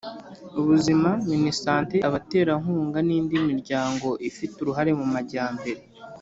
ubuzima minisante abaterankunga n'indi miryango ifite uruhare mu majyambere